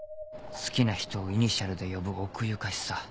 好きな人をイニシャルで呼ぶ奥ゆかしさ